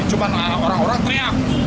cuman orang orang teriak